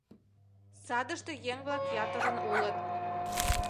Садыште еҥ-влак ятырын улыт.